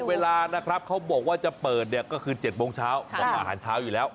เวลานะครับเขาบอกว่าจะเปิดเนี่ยก็คือ๗โมงเช้าบอกอาหารเช้าอยู่แล้ว